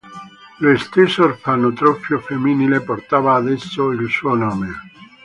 Lo stesso orfanotrofio femminile portava adesso il suo nome.